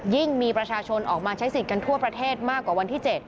มีประชาชนออกมาใช้สิทธิ์กันทั่วประเทศมากกว่าวันที่๗